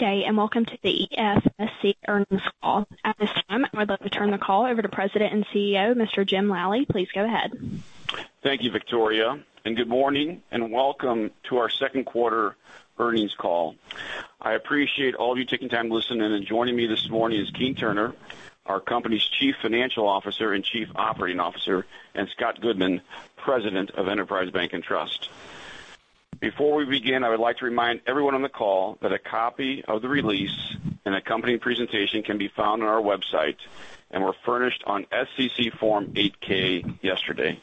Good day, and welcome to the EFSC earnings call. At this time, I would love to turn the call over to President and CEO, Mr. Jim Lally. Please go ahead. Thank you, Victoria, good morning, and welcome to our second quarter earnings call. I appreciate all of you taking time to listen in, and joining me this morning is Keene Turner, our company's Chief Financial Officer and Chief Operating Officer, and Scott Goodman, President of Enterprise Bank & Trust. Before we begin, I would like to remind everyone on the call that a copy of the release and accompanying presentation can be found on our website and were furnished on SEC Form 8-K yesterday.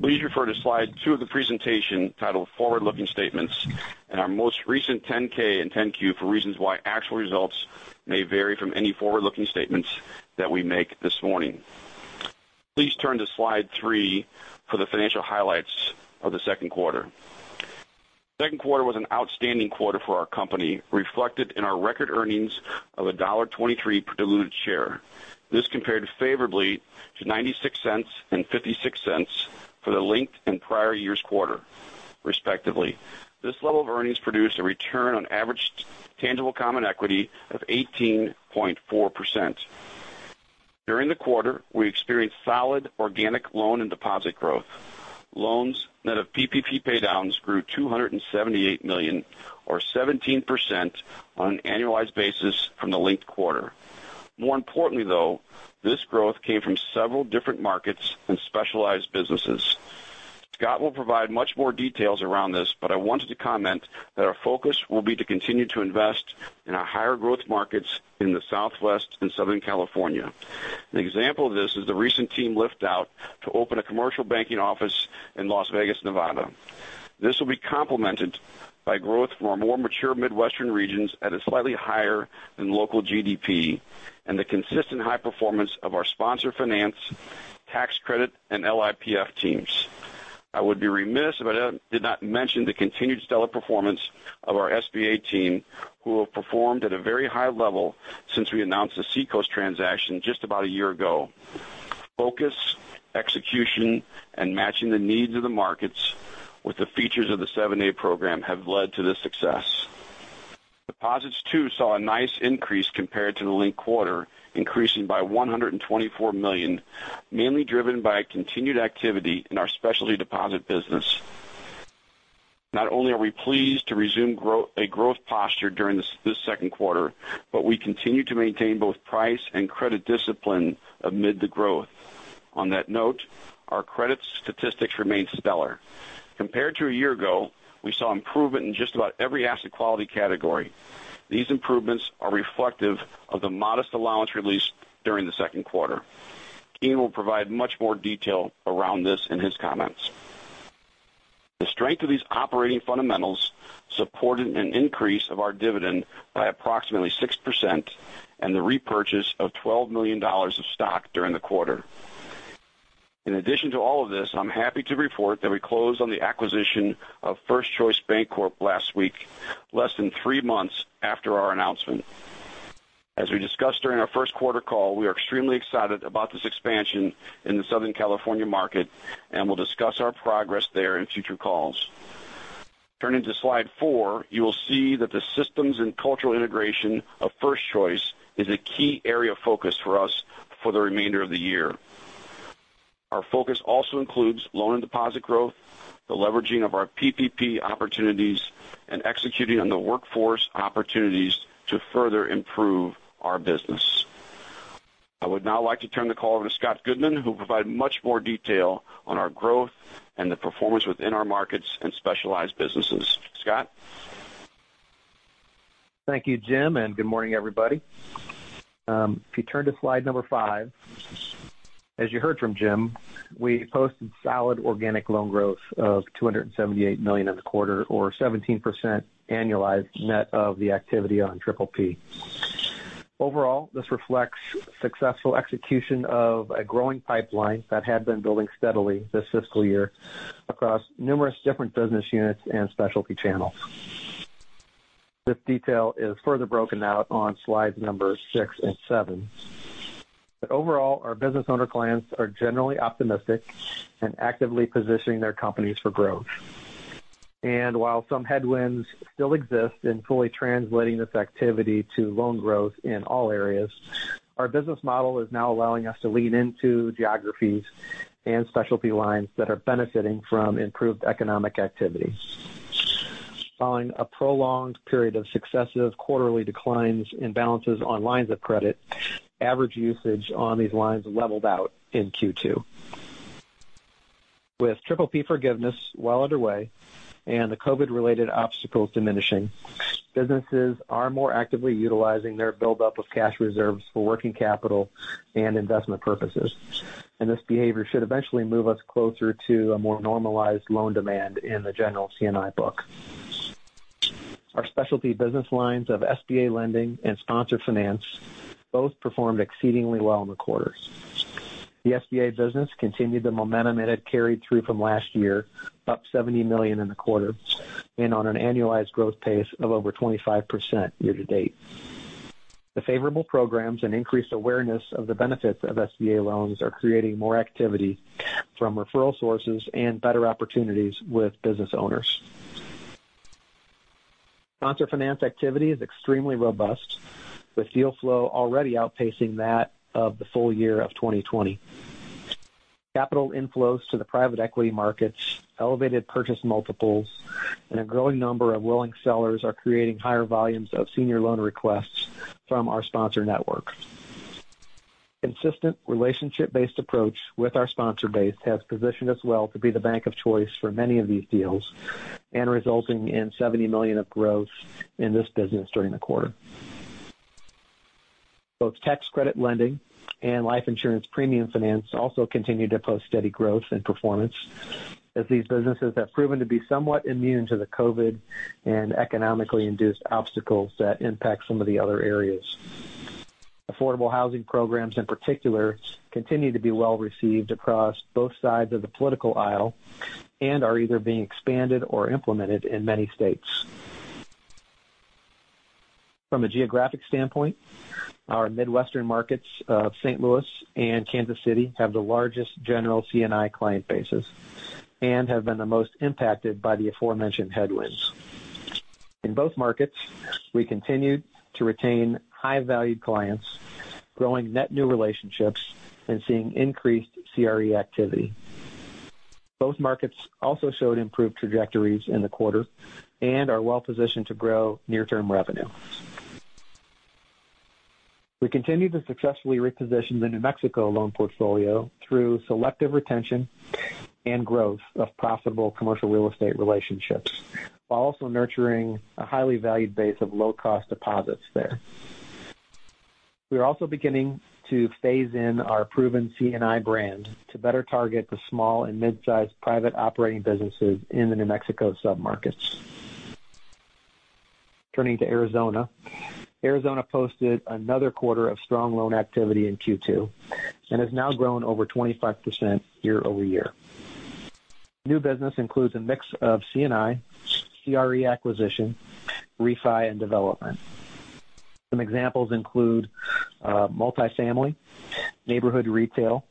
Please refer to Slide 2 of the presentation titled "Forward-Looking Statements" and our most recent 10-K and 10-Q for reasons why actual results may vary from any forward-looking statements that we make this morning. Please turn to Slide 3 for the financial highlights of the second quarter. Second quarter was an outstanding quarter for our company, reflected in our record earnings of $1.23 per diluted share. This compared favorably to $0.96 and $0.56 for the linked and prior year's quarter, respectively. This level of earnings produced a return on average tangible common equity of 18.4%. During the quarter, we experienced solid organic loan and deposit growth. Loans net of PPP paydowns grew $278 million or 17% on an annualized basis from the linked quarter. More importantly, though, this growth came from several different markets and specialized businesses. Scott will provide much more details around this, but I wanted to comment that our focus will be to continue to invest in our higher growth markets in the Southwest and Southern California. An example of this is the recent team lift-out to open a commercial banking office in Las Vegas, Nevada. This will be complemented by growth from our more mature Midwestern regions at a slightly higher than local GDP and the consistent high performance of our sponsor finance, tax credit, and LIPF teams. I would be remiss if I did not mention the continued stellar performance of our SBA team, who have performed at a very high level since we announced the Seacoast transaction just about a year ago. Focus, execution, and matching the needs of the markets with the features of the 7(a) program have led to this success. Deposits too saw a nice increase compared to the linked quarter, increasing by $124 million, mainly driven by a continued activity in our specialty deposit business. Not only are we pleased to resume a growth posture during this second quarter, but we continue to maintain both price and credit discipline amid the growth. On that note, our credit statistics remain stellar. Compared to a year ago, we saw improvement in just about every asset quality category. These improvements are reflective of the modest allowance release during the second quarter. Keene will provide much more detail around this in his comments. The strength of these operating fundamentals supported an increase of our dividend by approximately 6% and the repurchase of $12 million of stock during the quarter. In addition to all of this, I'm happy to report that we closed on the acquisition of First Choice Bancorp last week, less than three months after our announcement. As we discussed during our first quarter call, we are extremely excited about this expansion in the Southern California market and will discuss our progress there in future calls. Turning to Slide 4, you will see that the systems and cultural integration of First Choice is a key area of focus for us for the remainder of the year. Our focus also includes loan and deposit growth, the leveraging of our PPP opportunities, and executing on the workforce opportunities to further improve our business. I would now like to turn the call over to Scott Goodman, who will provide much more detail on our growth and the performance within our markets and specialized businesses. Scott? Thank you, Jim. Good morning, everybody. If you turn to slide number five. As you heard from Jim, we posted solid organic loan growth of $278 million in the quarter or 17% annualized net of the activity on PPP. Overall, this reflects successful execution of a growing pipeline that had been building steadily this fiscal year across numerous different business units and specialty channels. This detail is further broken out on slides number six and seven. Overall, our business owner clients are generally optimistic and actively positioning their companies for growth. While some headwinds still exist in fully translating this activity to loan growth in all areas, our business model is now allowing us to lean into geographies and specialty lines that are benefiting from improved economic activity. Following a prolonged period of successive quarterly declines in balances on lines of credit, average usage on these lines leveled out in Q2. With PPP forgiveness well underway and the COVID-related obstacles diminishing, businesses are more actively utilizing their build-up of cash reserves for working capital and investment purposes. This behavior should eventually move us closer to a more normalized loan demand in the general C&I book. Our specialty business lines of SBA lending and sponsored finance both performed exceedingly well in the quarter. The SBA business continued the momentum it had carried through from last year, up $70 million in the quarter and on an annualized growth pace of over 25% year-to-date. The favorable programs and increased awareness of the benefits of SBA loans are creating more activity from referral sources and better opportunities with business owners. Sponsor finance activity is extremely robust, with deal flow already outpacing that of the full year of 2020. Capital inflows to the private equity markets, elevated purchase multiples, and a growing number of willing sellers are creating higher volumes of senior loan requests from our sponsor network. Consistent relationship-based approach with our sponsor base has positioned us well to be the bank of choice for many of these deals, and resulting in $70 million of growth in this business during the quarter. Both tax credit lending and life insurance premium finance also continue to post steady growth and performance, as these businesses have proven to be somewhat immune to the COVID and economically induced obstacles that impact some of the other areas. Affordable housing programs in particular, continue to be well-received across both sides of the political aisle, and are either being expanded or implemented in many states. From a geographic standpoint, our Midwestern markets of St. Louis and Kansas City have the largest general C&I client bases and have been the most impacted by the aforementioned headwinds. In both markets, we continued to retain high valued clients, growing net new relationships and seeing increased CRE activity. Both markets also showed improved trajectories in the quarter and are well positioned to grow near-term revenue. We continue to successfully reposition the New Mexico loan portfolio through selective retention and growth of profitable commercial real estate relationships, while also nurturing a highly valued base of low-cost deposits there. We are also beginning to phase in our proven C&I brand to better target the small and mid-sized private operating businesses in the New Mexico submarkets. Turning to Arizona. Arizona posted another quarter of strong loan activity in Q2 and has now grown over 25% year-over-year. New business includes a mix of C&I, CRE acquisition, refi, and development. Some examples include multifamily, neighborhood retail,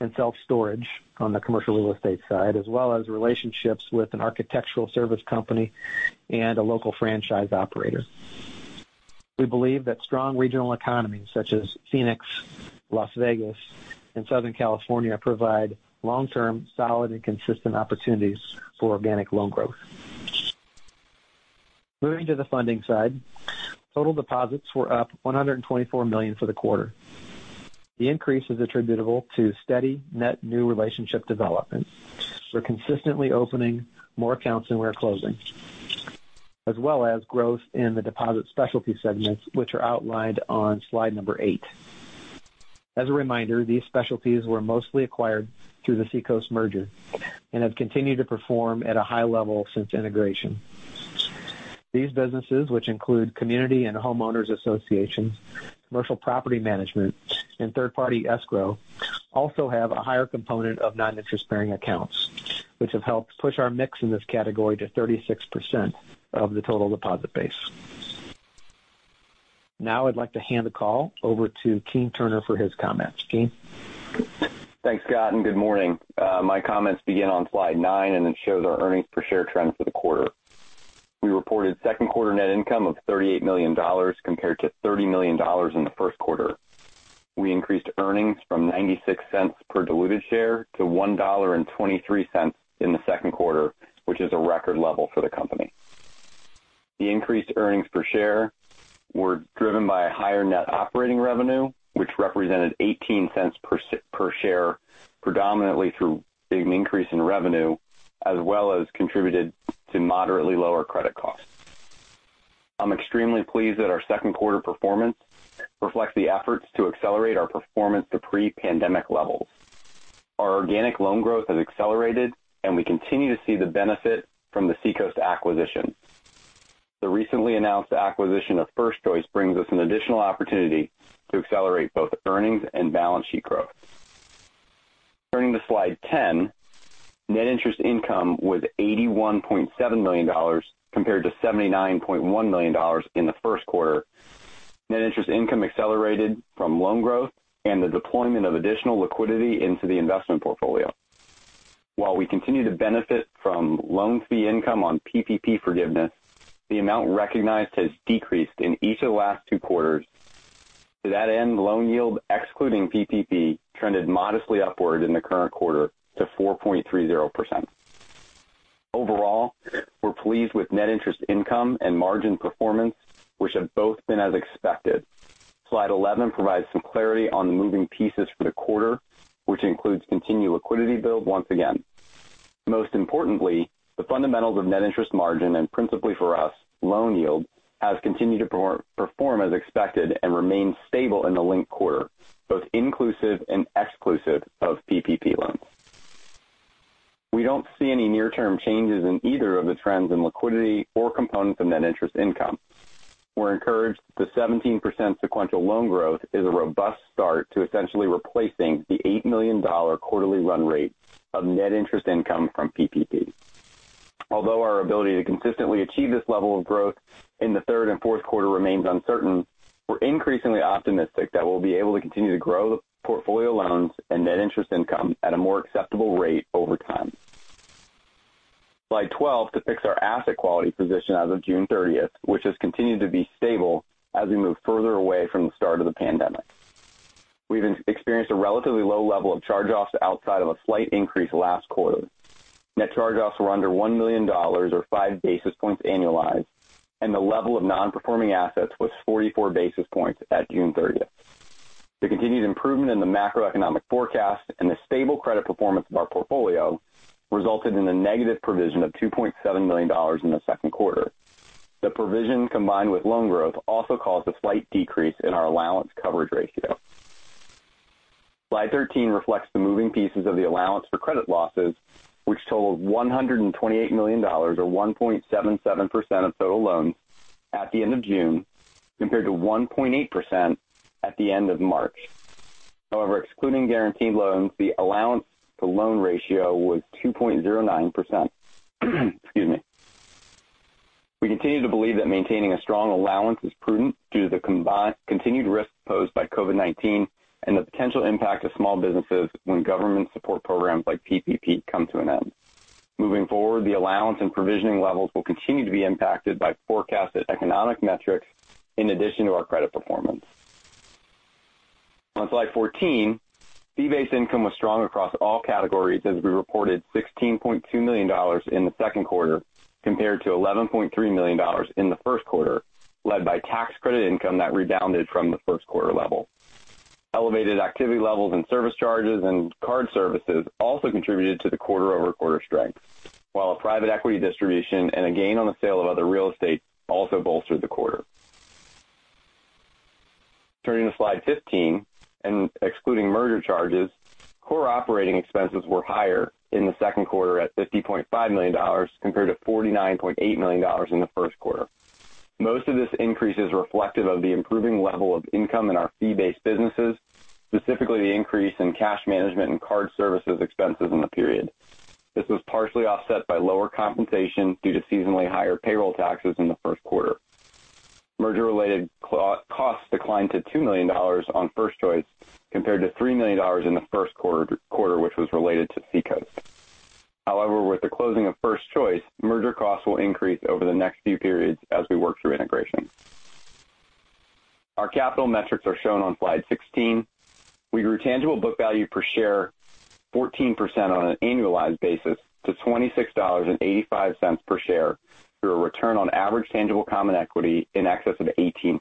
and self-storage on the commercial real estate side, as well as relationships with an architectural service company and a local franchise operator. We believe that strong regional economies such as Phoenix, Las Vegas, and Southern California provide long-term solid and consistent opportunities for organic loan growth. Moving to the funding side, total deposits were up $124 million for the quarter. The increase is attributable to steady net new relationship development. We're consistently opening more accounts than we're closing, as well as growth in the deposit specialty segments, which are outlined on slide number eight. As a reminder, these specialties were mostly acquired through the Seacoast merger and have continued to perform at a high level since integration. These businesses, which include community and homeowners associations, commercial property management, and third-party escrow, also have a higher component of non-interest-bearing accounts, which have helped push our mix in this category to 36% of the total deposit base. Now I'd like to hand the call over to Keene Turner for his comments. Keene? Thanks, Scott. Good morning. My comments begin on Slide 9, and it shows our earnings per share trend for the quarter. We reported second quarter net income of $38 million compared to $30 million in the first quarter. We increased earnings from $0.96 per diluted share to $1.23 in the second quarter, which is a record level for the company. The increased earnings per share were driven by a higher net operating revenue, which represented $0.18 per share, predominantly through an increase in revenue, as well as contributed to moderately lower credit costs. I'm extremely pleased that our second quarter performance reflects the efforts to accelerate our performance to pre-pandemic levels. Our organic loan growth has accelerated, and we continue to see the benefit from the Seacoast acquisition. The recently announced acquisition of First Choice brings us an additional opportunity to accelerate both earnings and balance sheet growth. Turning to Slide 10, net interest income was $81.7 million compared to $79.1 million in the first quarter. Net interest income accelerated from loan growth and the deployment of additional liquidity into the investment portfolio. While we continue to benefit from loan fee income on PPP forgiveness, the amount recognized has decreased in each of the last two quarters. To that end, loan yield, excluding PPP, trended modestly upward in the current quarter to 4.30%. Overall, we're pleased with net interest income and margin performance, which have both been as expected. Slide 11 provides some clarity on the moving pieces for the quarter, which includes continued liquidity build once again. Most importantly, the fundamentals of net interest margin and principally for us, loan yield, has continued to perform as expected and remains stable in the linked quarter, both inclusive and exclusive of PPP loans. We don't see any near-term changes in either of the trends in liquidity or components of net interest income. We're encouraged the 17% sequential loan growth is a robust start to essentially replacing the $8 million quarterly run rate of net interest income from PPP. Although our ability to consistently achieve this level of growth in the third and fourth quarter remains uncertain, we're increasingly optimistic that we'll be able to continue to grow the portfolio loans and net interest income at a more acceptable rate over time. Slide 12 depicts our asset quality position as of June 30th, which has continued to be stable as we move further away from the start of the pandemic. We've experienced a relatively low level of charge-offs outside of a slight increase last quarter. Net charge-offs were under $1 million or 5 basis points annualized, and the level of non-performing assets was 44 basis points at June 30th. The continued improvement in the macroeconomic forecast and the stable credit performance of our portfolio resulted in a negative provision of $2.7 million in the second quarter. The provision, combined with loan growth, also caused a slight decrease in our allowance coverage ratio. Slide 13 reflects the moving pieces of the allowance for credit losses, which totaled $128 million or 1.77% of total loans at the end of June, compared to 1.8% at the end of March. Excluding guaranteed loans, the allowance to loan ratio was 2.09%. Excuse me. We continue to believe that maintaining a strong allowance is prudent due to the continued risk posed by COVID-19 and the potential impact to small businesses when government support programs like PPP come to an end. Moving forward, the allowance and provisioning levels will continue to be impacted by forecasted economic metrics in addition to our credit performance. On Slide 14, fee-based income was strong across all categories as we reported $16.2 million in the second quarter, compared to $11.3 million in the first quarter, led by tax credit income that rebounded from the first quarter level. Elevated activity levels in service charges and card services also contributed to the quarter-over-quarter strength, while a private equity distribution and a gain on the sale of other real estate also bolstered the quarter. Turning to Slide 15 and excluding merger charges, core operating expenses were higher in the second quarter at $50.5 million, compared to $49.8 million in the first quarter. Most of this increase is reflective of the improving level of income in our fee-based businesses, specifically the increase in cash management and card services expenses in the period. This was partially offset by lower compensation due to seasonally higher payroll taxes in the first quarter. Merger-related costs declined to $2 million on First Choice compared to $3 million in the first quarter, which was related to Seacoast. With the closing of First Choice, merger costs will increase over the next few periods as we work through integration. Our capital metrics are shown on Slide 16. We grew tangible book value per share 14% on an annualized basis to $26.85 per share through a return on average tangible common equity in excess of 18%.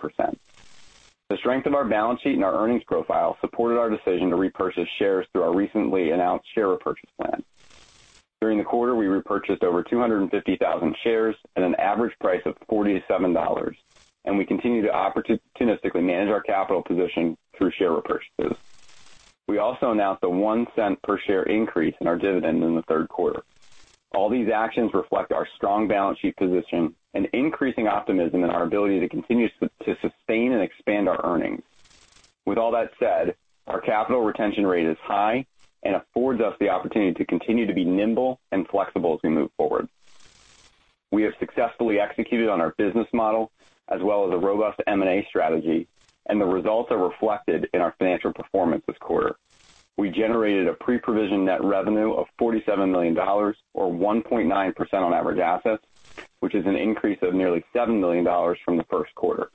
The strength of our balance sheet and our earnings profile supported our decision to repurchase shares through our recently announced share repurchase plan. During the quarter, we repurchased over 250,000 shares at an average price of $47, and we continue to opportunistically manage our capital position through share repurchases. We also announced a $0.01 per share increase in our dividend in the third quarter. All these actions reflect our strong balance sheet position and increasing optimism in our ability to continue to sustain and expand our earnings. With all that said, our capital retention rate is high and affords us the opportunity to continue to be nimble and flexible as we move forward. We have successfully executed on our business model as well as a robust M&A strategy, and the results are reflected in our financial performance this quarter. We generated a pre-provision net revenue of $47 million or 1.9% on average assets, which is an increase of nearly $7 million from the first quarter.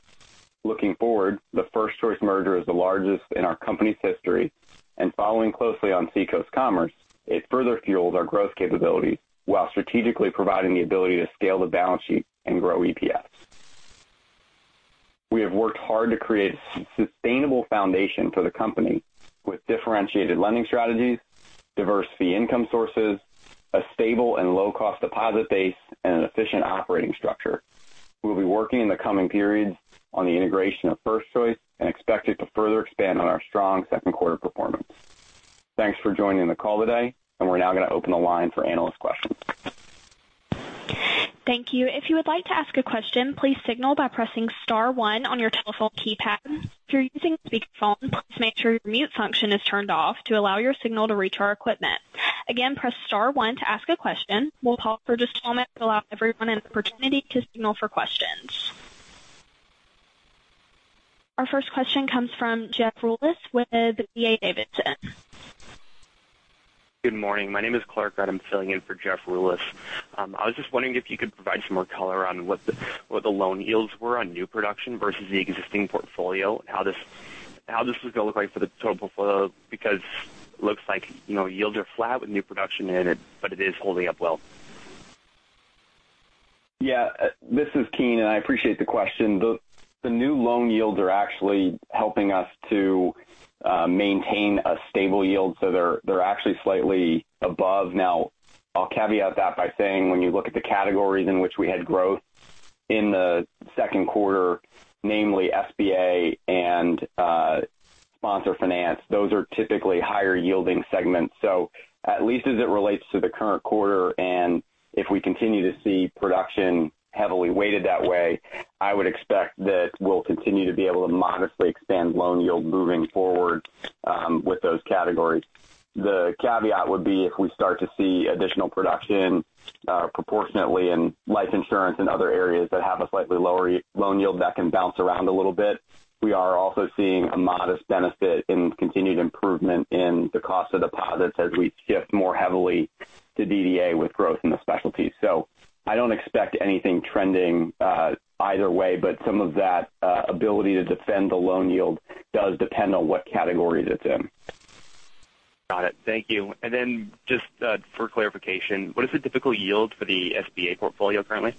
Looking forward, the First Choice merger is the largest in our company's history, and following closely on Seacoast Commerce, it further fuels our growth capabilities while strategically providing the ability to scale the balance sheet and grow EPS. We have worked hard to create a sustainable foundation for the company with differentiated lending strategies, diverse fee income sources, a stable and low-cost deposit base, and an efficient operating structure. We'll be working in the coming periods on the integration of First Choice and expect it to further expand on our strong second quarter performance. Thanks for joining the call today, and we're now going to open the line for analyst questions. Thank you. If you would like to ask a question, please signal by pressing star one on your telephone keypad. If you're using speakerphone, please make sure your mute function is turned off to allow your signal to reach our equipment. Again, press star one to ask a question. We'll pause for just a moment to allow everyone an opportunity to signal for questions. Our first question comes from Jeff Rulis with D.A. Davidson. Good morning. My name is Clark. I'm filling in for Jeff Rulis. I was just wondering if you could provide some more color on what the loan yields were on new production versus the existing portfolio, how this is going to look like for the total portfolio because looks like yields are flat with new production in it, but it is holding up well. Yeah. This is Keene, I appreciate the question. The new loan yields are actually helping us to maintain a stable yield. They're actually slightly above. Now, I'll caveat that by saying, when you look at the categories in which we had growth in the second quarter, namely SBA and sponsor finance, those are typically higher yielding segments. At least as it relates to the current quarter, and if we continue to see production heavily weighted that way, I would expect that we'll continue to be able to modestly expand loan yield moving forward with those categories. The caveat would be if we start to see additional production proportionately in life insurance and other areas that have a slightly lower loan yield that can bounce around a little bit. We are also seeing a modest benefit in continued improvement in the cost of deposits as we shift more heavily to DDA with growth in the specialties. I don't expect anything trending either way, but some of that ability to defend the loan yield does depend on what category it's in. Got it. Thank you. Just for clarification, what is the typical yield for the SBA portfolio currently?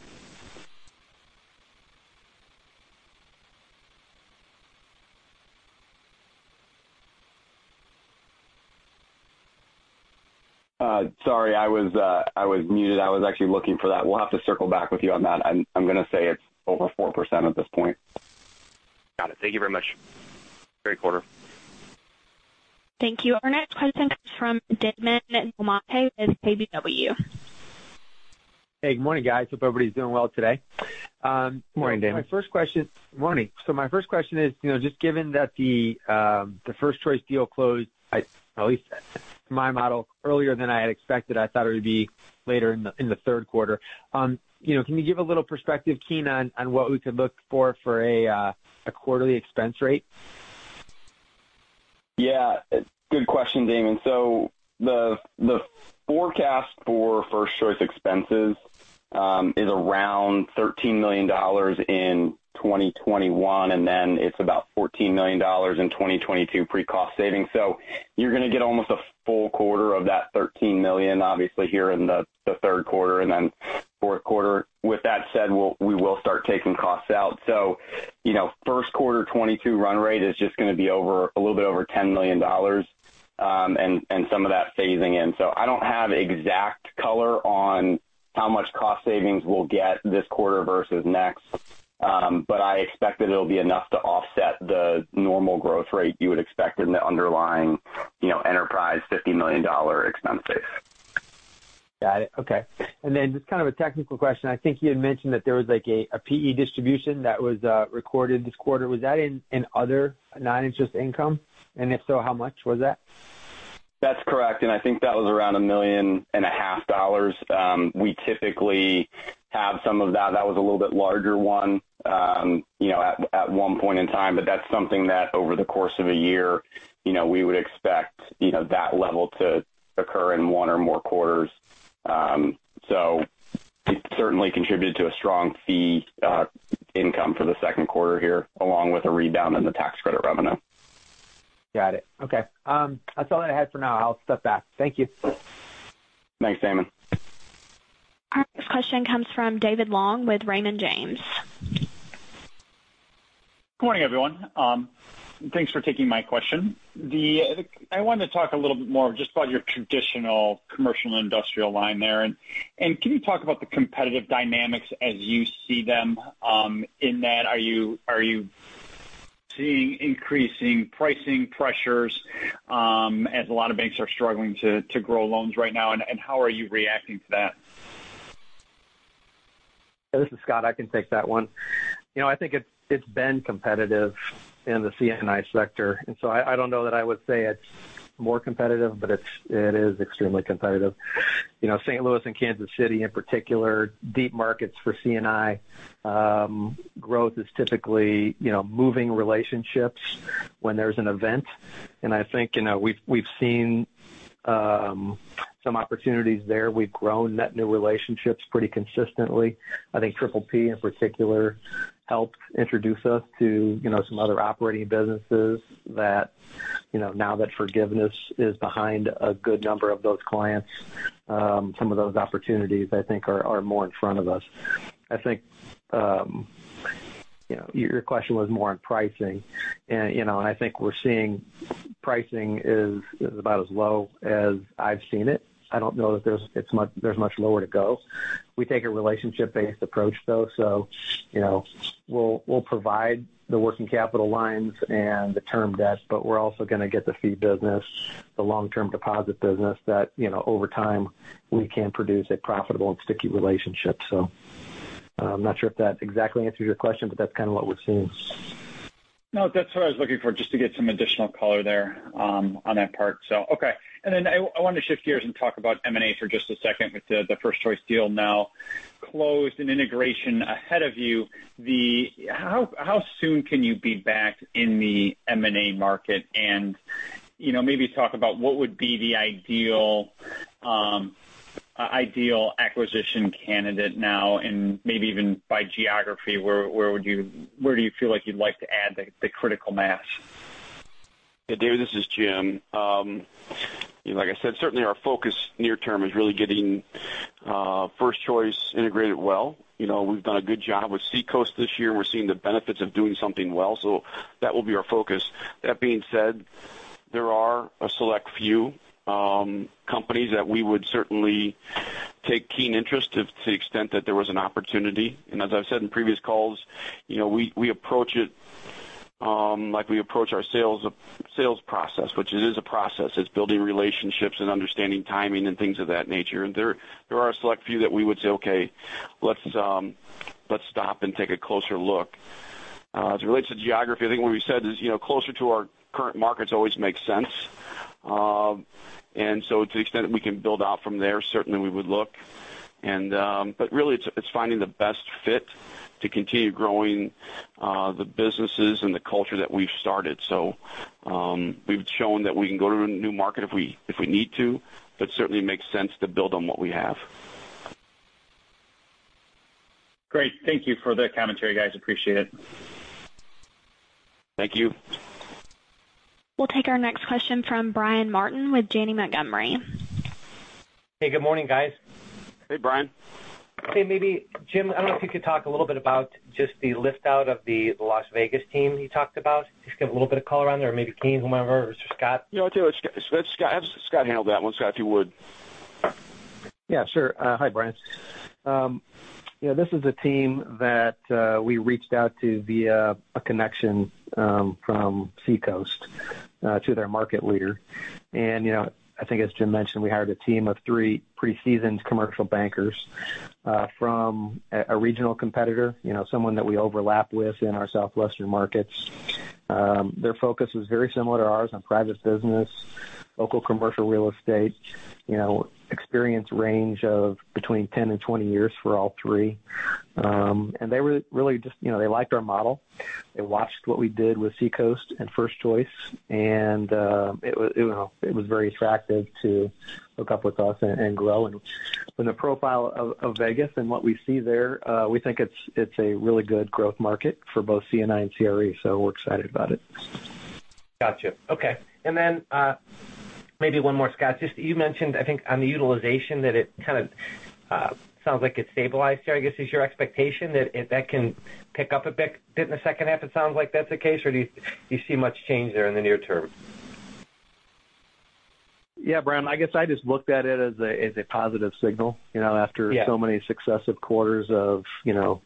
Sorry, I was muted. I was actually looking for that. We'll have to circle back with you on that. I'm going to say it's over 4% at this point. Got it. Thank you very much. Great quarter. Thank you. Our next question comes from Damon DelMonte with KBW. Hey, good morning, guys. Hope everybody's doing well today. Morning, Damon. Morning. My first question is, just given that the First Choice deal closed, at least in my model, earlier than I had expected. I thought it would be later in the third quarter. Can you give a little perspective, Keene, on what we could look for for a quarterly expense rate? Good question, Damon. The forecast for First Choice expenses is around $13 million in 2021, and then it's about $14 million in 2022 pre-cost savings. You're going to get almost a full quarter of that $13 million obviously here in the third quarter and then fourth quarter. With that said, we will start taking costs out. First quarter 2022 run rate is just going to be a little bit over $10 million, and some of that phasing in. I don't have exact color on how much cost savings we'll get this quarter versus next. I expect that it'll be enough to offset the normal growth rate you would expect in the underlying Enterprise $50 million expense base. Got it. Okay. Just a technical question. I think you had mentioned that there was a PE distribution that was recorded this quarter. Was that in other non-interest income? If so, how much was that? That's correct. I think that was around a million and a half dollars. We typically have some of that. That was a little bit larger one at one point in time. That's something that over the course of a year, we would expect that level to occur in one or more quarters. It certainly contributed to a strong fee income for the second quarter here, along with a rebound in the tax credit revenue. Got it. Okay. That's all I had for now. I'll step back. Thank you. Thanks, Damon. Our next question comes from David Long with Raymond James. Good morning, everyone. Thanks for taking my question. I wanted to talk a little bit more just about your traditional commercial industrial line there. Can you talk about the competitive dynamics as you see them in that? Are you seeing increasing pricing pressures as a lot of banks are struggling to grow loans right now, and how are you reacting to that? This is Scott. I can take that one. I think it's been competitive in the C&I sector, and so I don't know that I would say it's more competitive, but it is extremely competitive. St. Louis and Kansas City in particular, deep markets for C&I. Growth is typically moving relationships when there's an event. I think we've seen some opportunities there. We've grown net new relationships pretty consistently. I think PPP in particular helped introduce us to some other operating businesses that now that forgiveness is behind a good number of those clients. Some of those opportunities I think are more in front of us. I think your question was more on pricing. I think we're seeing pricing is about as low as I've seen it. I don't know that there's much lower to go. We take a relationship-based approach, though, so we'll provide the working capital lines and the term debts, but we're also going to get the fee business, the long-term deposit business that over time we can produce a profitable and sticky relationship. I'm not sure if that exactly answers your question, but that's what we're seeing. No, that's what I was looking for, just to get some additional color there on that part. Okay. I want to shift gears and talk about M&A for just a second with the First Choice deal now closed and integration ahead of you. How soon can you be back in the M&A market? Maybe talk about what would be the ideal acquisition candidate now and maybe even by geography, where do you feel like you'd like to add the critical mass? David, this is Jim. Like I said, certainly our focus near term is really getting First Choice integrated well. We've done a good job with Seacoast this year, we're seeing the benefits of doing something well. That will be our focus. That being said, there are a select few companies that we would certainly take keen interest to the extent that there was an opportunity. As I've said in previous calls, we approach it like we approach our sales process, which it is a process. It's building relationships and understanding timing and things of that nature. There are a select few that we would say, "Okay. Let's stop and take a closer look. As it relates to geography, I think what we said is closer to our current markets always make sense. To the extent that we can build out from there, certainly we would look. Really, it's finding the best fit to continue growing the businesses and the culture that we've started. We've shown that we can go to a new market if we need to, but certainly makes sense to build on what we have. Great. Thank you for the commentary, guys. Appreciate it. Thank you. We'll take our next question from Brian Martin with Janney Montgomery. Hey, good morning, guys. Hey, Brian. Hey, maybe Jim, I don't know if you could talk a little bit about just the lift out of the Las Vegas team you talked about. Just give a little bit of color on there, or maybe Keene, whomever, or Scott. Yeah, I'll tell you what, have Scott handle that one. Scott, if you would. Sure. Hi, Brian. This is a team that we reached out to via a connection from Seacoast to their market leader. I think as Jim mentioned, we hired a team of three pre-seasoned commercial bankers from a regional competitor, someone that we overlap with in our southwestern markets. Their focus was very similar to ours on private business, local commercial real estate, experience range of between 10 and 20 years for all three. They liked our model. They watched what we did with Seacoast and First Choice, it was very attractive to hook up with us and grow. The profile of Vegas and what we see there, we think it's a really good growth market for both C&I and CRE, we're excited about it. Got you. Okay. Maybe one more, Scott. Just you mentioned, I think on the utilization that it kind of sounds like it's stabilized there. I guess is your expectation that if that can pick up a bit in the second half, it sounds like that's the case, or do you see much change there in the near term? Yeah, Brian, I guess I just looked at it as a positive signal. Yeah. After so many successive quarters of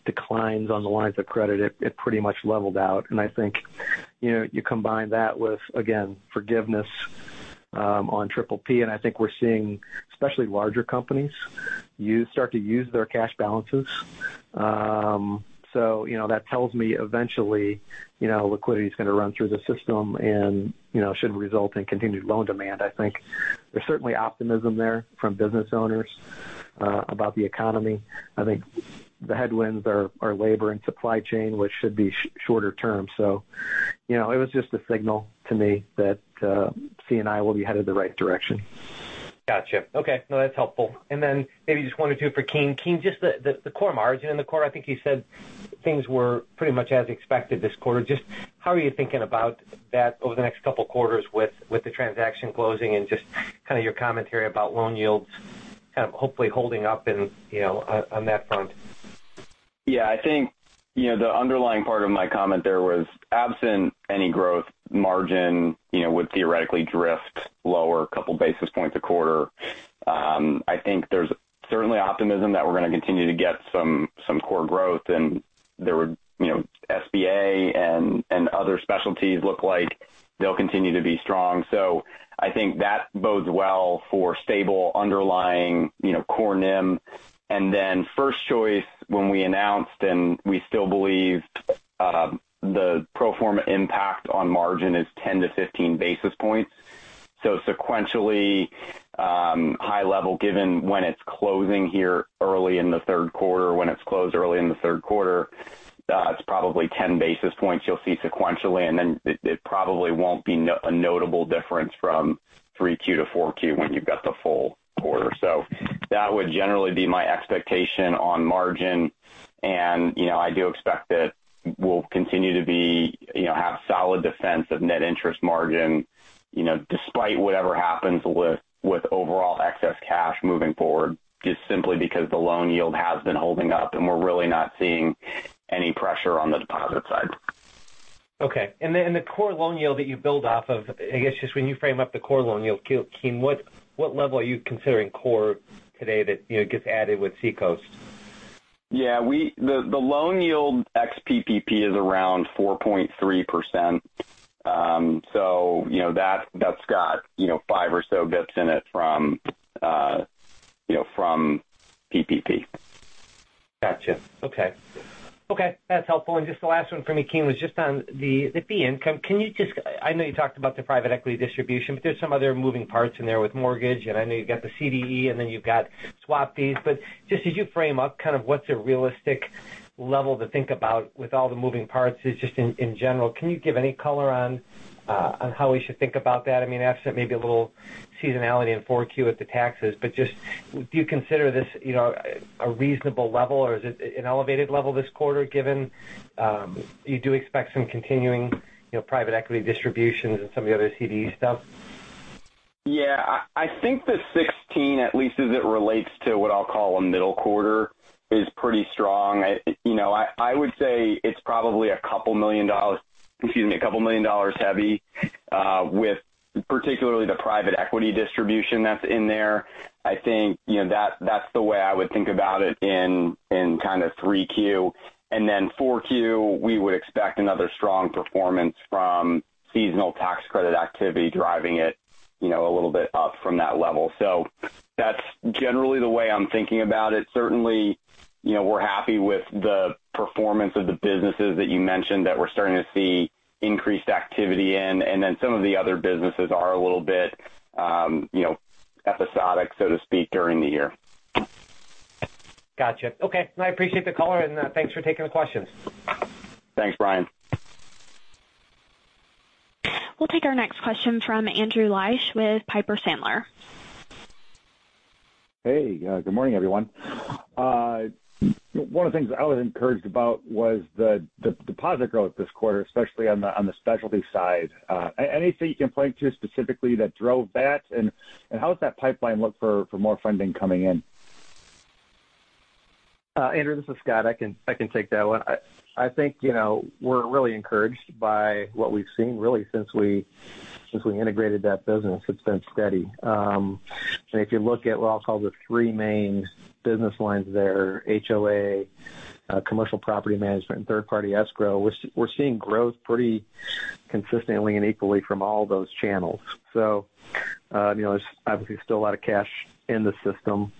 declines on the lines of credit, it pretty much leveled out. I think, you combine that with, again, forgiveness on PPP, and I think we're seeing, especially larger companies start to use their cash balances. That tells me eventually, liquidity is going to run through the system and should result in continued loan demand. I think there's certainly optimism there from business owners about the economy. I think the headwinds are labor and supply chain, which should be shorter term. It was just a signal to me that C&I will be headed the right direction. Got you. Okay. No, that's helpful. Maybe just one or two for Keene. Keene, just the core margin. In the core, I think you said things were pretty much as expected this quarter. Just how are you thinking about that over the next couple of quarters with the transaction closing and just kind of your commentary about loan yields kind of hopefully holding up on that front? I think the underlying part of my comment there was absent any growth margin would theoretically drift lower a couple basis points a quarter. I think there's certainly optimism that we're going to continue to get some core growth and there were SBA and other specialties look like they'll continue to be strong. I think that bodes well for stable underlying core NIM. First Choice when we announced, and we still believe the pro forma impact on margin is 10 to 15 basis points. Sequentially, high level given when it's closing here early in the third quarter, when it's closed early in the third quarter, that's probably 10 basis points you'll see sequentially, and then it probably won't be a notable difference from 3Q to 4Q when you've got the full quarter. That would generally be my expectation on margin, and I do expect that we'll continue to have solid defense of net interest margin despite whatever happens with overall excess cash moving forward, just simply because the loan yield has been holding up and we're really not seeing any pressure on the deposit side. Okay. The core loan yield that you build off of, I guess just when you frame up the core loan yield, Keene, what level are you considering core today that gets added with Seacoast? Yeah. The loan yield ex-PPP is around 4.3%. That's got five or so basis points in it from PPP. Got you. Okay. That's helpful. Just the last one for me, Keene, was just on the fee income. I know you talked about the private equity distribution. There's some other moving parts in there with mortgage. I know you've got the CDE. You've got swap fees. Just as you frame up kind of what's a realistic level to think about with all the moving parts is just in general, can you give any color on how we should think about that? I mean, absent maybe a little seasonality in 4Q with the taxes, just do you consider this a reasonable level or is it an elevated level this quarter given you do expect some continuing private equity distributions and some of the other CDE stuff? Yeah. I think the $16, at least as it relates to what I'll call a middle quarter, is pretty strong. I would say it's probably a couple million dollars heavy with particularly the private equity distribution that's in there. I think that's the way I would think about it in kind of 3Q. 4Q, we would expect another strong performance from seasonal tax credit activity driving it a little bit up from that level. That's generally the way I'm thinking about it. Certainly, we're happy with the performance of the businesses that you mentioned that we're starting to see increased activity in, and then some of the other businesses are a little bit episodic, so to speak, during the year. Got you. Okay. I appreciate the color and thanks for taking the questions. Thanks, Brian. We'll take our next question from Andrew Liesch with Piper Sandler. Hey, good morning, everyone. One of the things I was encouraged about was the deposit growth this quarter, especially on the specialty side. Anything you can point to specifically that drove that? How does that pipeline look for more funding coming in? Andrew, this is Scott. I can take that one. I think we're really encouraged by what we've seen, really, since we integrated that business. It's been steady. If you look at what I'll call the three main business lines there, HOA, commercial property management, and third-party escrow, we're seeing growth pretty consistently and equally from all those channels. There's obviously still a lot of cash in the system.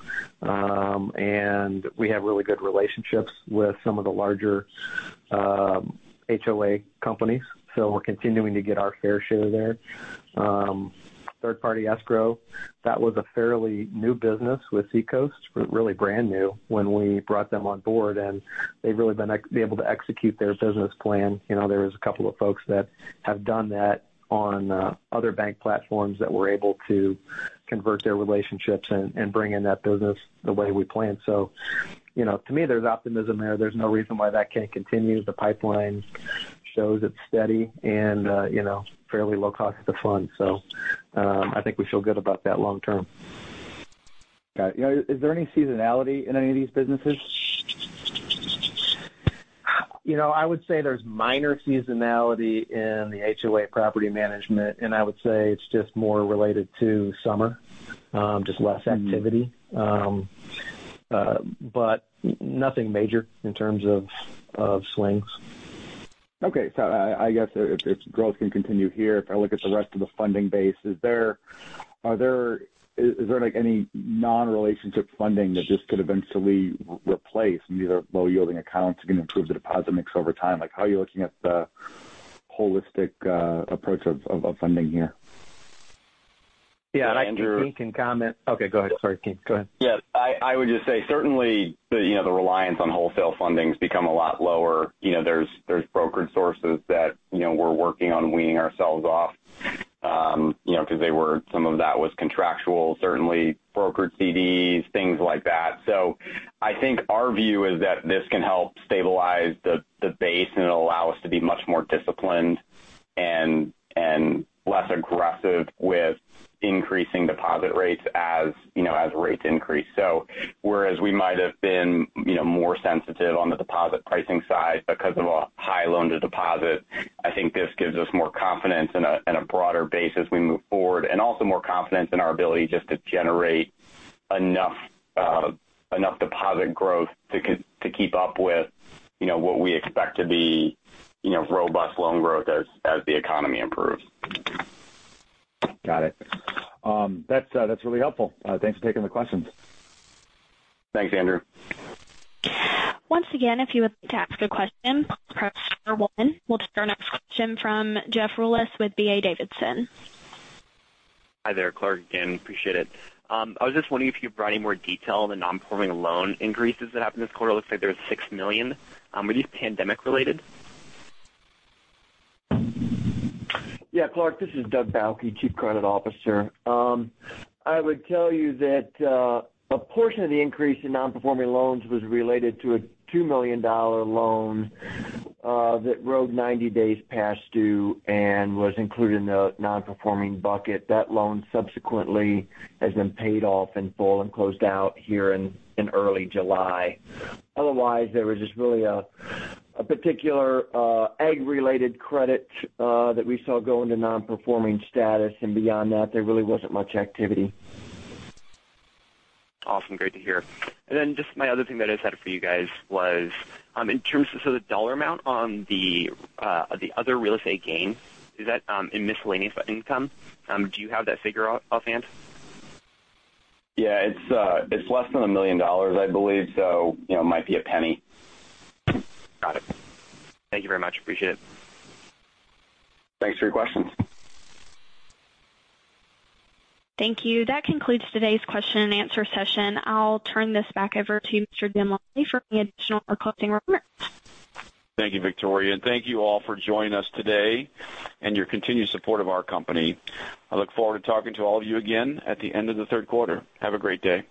We have really good relationships with some of the larger HOA companies, so we're continuing to get our fair share there. Third-party escrow, that was a fairly new business with Seacoast. It was really brand new when we brought them on board, and they've really been able to execute their business plan. There was a couple of folks that have done that on other bank platforms that were able to convert their relationships and bring in that business the way we planned. To me, there's optimism there. There's no reason why that can't continue. The pipeline shows it's steady and fairly low cost to fund. I think we feel good about that long term. Got it. Is there any seasonality in any of these businesses? I would say there's minor seasonality in the HOA property management, and I would say it's just more related to summer. Just less activity. Nothing major in terms of swings. Okay. I guess if growth can continue here, if I look at the rest of the funding base, is there any non-relationship funding that this could eventually replace? These are low-yielding accounts that are going to improve the deposit mix over time. How are you looking at the holistic approach of funding here? Yeah. I think Keene can comment. Okay, go ahead. Sorry, Keene, go ahead. Yeah. I would just say certainly the reliance on wholesale funding's become a lot lower. There's brokered sources that we're working on weaning ourselves off because some of that was contractual, certainly brokered CDs, things like that. I think our view is that this can help stabilize the base, and it'll allow us to be much more disciplined and less aggressive with increasing deposit rates as rates increase. Whereas we might have been more sensitive on the deposit pricing side because of a high loan-to-deposit, I think this gives us more confidence in a broader base as we move forward. Also more confidence in our ability just to generate enough deposit growth to keep up with what we expect to be robust loan growth as the economy improves. Got it. That's really helpful. Thanks for taking the questions. Thanks, Andrew. Once again, if you would like to ask a question, press star one. We'll take our next question from Jeff Rulis with D.A. Davidson. Hi there, Clark again. Appreciate it. I was just wondering if you could provide any more detail on the non-performing loan increases that happened this quarter. Looks like there was $6 million. Are these pandemic related? Yeah, Clark, this is Douglas Bauche, Chief Credit Officer. I would tell you that a portion of the increase in non-performing loans was related to a $2 million loan that rode 90 days past due and was included in the non-performing bucket. That loan subsequently has been paid off in full and closed out here in early July. Otherwise, there was just really a particular ag-related credit that we saw go into non-performing status, and beyond that, there really wasn't much activity. Awesome. Great to hear. Just my other thing that I just had for you guys was in terms of the dollar amount on the other real estate gain, is that in miscellaneous income? Do you have that figure offhand? Yeah. It's less than $1 million, I believe, so might be $0.01. Got it. Thank you very much. Appreciate it. Thanks for your questions. Thank you. That concludes today's question and answer session. I'll turn this back over to Mr. Lally for any additional or closing remarks. Thank you, Victoria, and thank you all for joining us today and your continued support of our company. I look forward to talking to all of you again at the end of the third quarter. Have a great day.